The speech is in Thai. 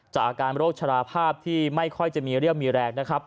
จากอาการโรคชะลาภาพที่ไม่ค่อยจะมีเรี่ยวมีแรก